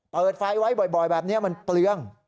เปิดไฟไว้บ่อยแบบนี้มันเปลือง